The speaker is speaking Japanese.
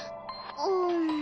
うん。